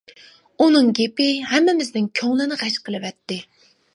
ئۇنىڭ گېپى ھەممىمىزنىڭ كۆڭلىنى غەش قىلىۋەتتى.